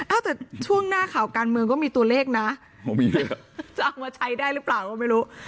แต่ช่วงหน้าข่าวการเมืองก็มีตัวเลขนะจะเอามาใช้ได้หรือเปล่าก็ไม่รู้